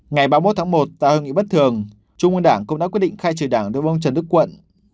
ngày ba mươi một tháng một tại hội nghị bất thường trung ương đảng cũng đã quyết định khai trừ đảng đối với ông trần đức quận